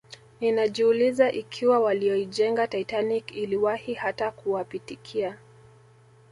Ninajiuliza ikiwa walioijenga Titanic iliwahi hata kuwapitikia